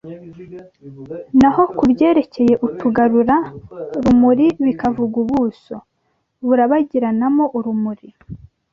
naho ku byerekeye utugarura rumuri bikavuga ubuso burabagiranamo urumuri